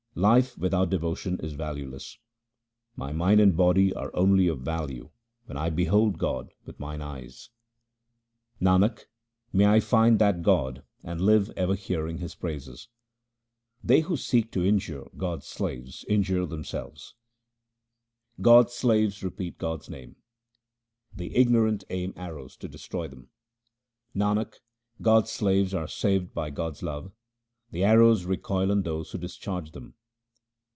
Life without devotion is valueless :— My mind and body are only of value when I behold God with mine eyes. HYMNS OF GURU RAM DAS 347 Nanak, may I find that God and live ever hearing His praises ! They who seek to injure God's slaves injure them selves :— God's slaves repeat God's name ; the ignorant aim arrows to destroy them. Nanak, God's slaves are saved by God's love : the arrows recoil on those who discharged them.